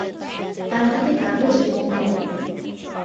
তার হাতে কাগজ এবং কলম।